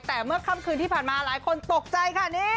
แต่เมื่อค่ำคืนที่ผ่านมาหลายคนตกใจค่ะนี่